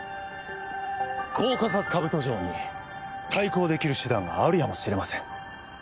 コーカサスカブト城に対抗できる手段があるやもしれません。